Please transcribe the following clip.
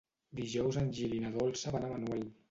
Dijous en Gil i na Dolça van a Manuel.